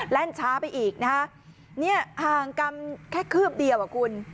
ลั่นช้าไปอีกนะฮะเนี่ยห่างกันแค่คืบเดียวอ่ะคุณ